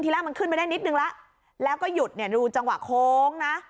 แรกมันขึ้นไปได้นิดนึงแล้วแล้วก็หยุดเนี่ยดูจังหวะโค้งนะ